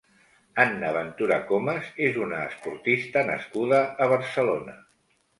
Anna Ventura Comes és una esportista nascuda a Barcelona.